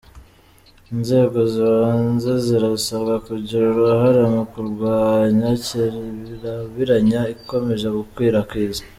Inzego z’ibanze zirasabwa kugira uruhare mu kurwanya kirabiranya ikomeje gukwira kwiza